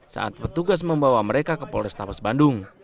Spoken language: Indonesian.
saat petugas membawa mereka ke polres tabes bandung